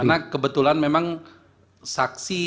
karena kebetulan memang saksi